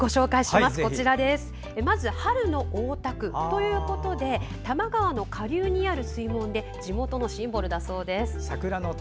まず春の大田区ということで多摩川の下流にある水門で地元のシンボルだそうです。